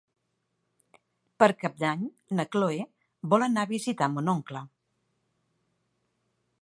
Per Cap d'Any na Cloè vol anar a visitar mon oncle.